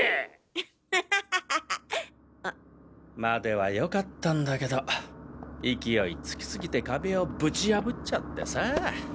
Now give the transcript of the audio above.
アッハハハ！まではよかったんだけど勢いつきすぎて壁をぶち破っちゃってさあ。